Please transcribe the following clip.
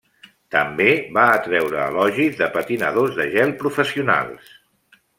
També va atreure elogis de patinadors de gel professionals.